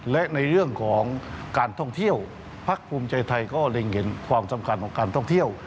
และในเรื่องของการท่องเที่ยวพักภูมิใจไทยก็เล็งเห็นความสำคัญของการท่องเที่ยว